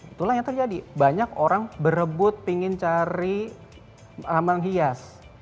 itulah yang terjadi banyak orang berebut ingin cari aman hias